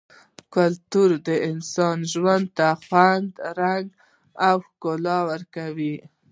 کلتور د انسان ژوند ته خوند ، رنګ او ښکلا ورکوي -